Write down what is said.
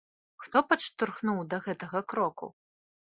Хто падштурхнуў да гэтага кроку?